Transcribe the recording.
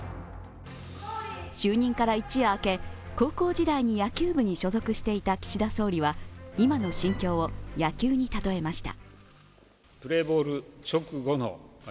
就任から一夜明け、高校時代に野球部に所属していた岸田総理は今の心境を野球に例えました。